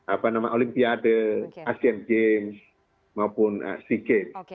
apa nama olimpiade asian games maupun sea games